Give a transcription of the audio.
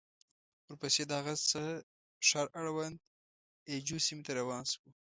ورپسې د هه چه ښار اړوند اي جو سيمې ته روان شوو.